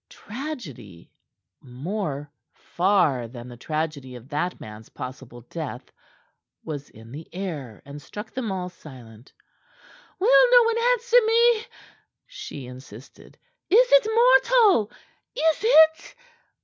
Tragedy more far than the tragedy of that man's possible death was in the air, and struck them all silent. "Will no one answer me?" she insisted. "Is it mortal? Is it?"